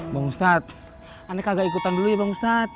bang ustad anda kagak ikutan dulu ya bang ustad